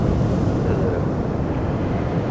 Adremt.